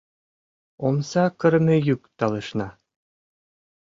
Омса кырыме йӱк талышна.